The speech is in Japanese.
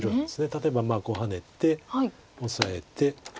例えばこうハネてオサえて。